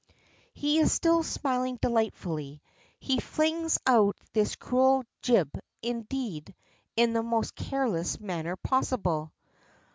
He is still smiling delightfully. He flings out this cruel gibe indeed in the most careless manner possible.